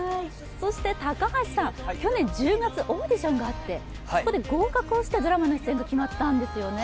そして高橋さん、去年１０月、オーディションがあって、そこで合格して、ドラマに出てるんですよね。